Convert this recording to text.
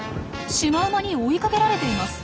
シマウマに追いかけられています。